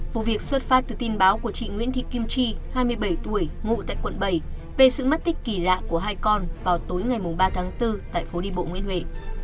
vụ việc xuất phát từ tin báo của chị nguyễn thị kim chi hai mươi bảy tuổi ngụ tại quận bảy về sự mất tích kỳ lạ của hai con vào tối ngày ba tháng bốn tại phố đi bộ nguyễn huệ